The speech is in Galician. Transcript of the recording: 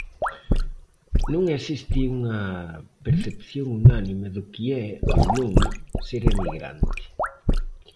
Non existe unha percepción unánime do que é, ou non, ser emigrante.